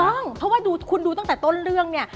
ต้องเพราะว่าดูคุณดูตั้งแต่ต้นเรื่องเนี่ย